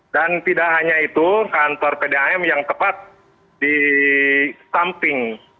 dan tidak hanya itu kantor kdam yang tepat di samping